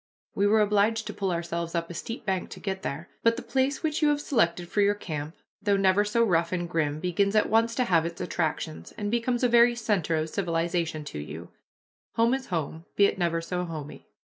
We were obliged to pull ourselves up a steep bank to get there. But the place which you have selected for your camp, though never so rough and grim, begins at once to have its attractions, and becomes a very center of civilization to you: "Home is home, be it never so homely."